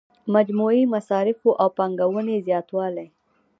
مجموعي مصارفو او پانګونې زیاتوالی.